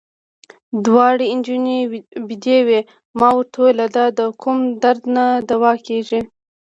دواړې نجونې وېدې وې، ما ورته وویل: دا د کوم درد نه دوا کېږي.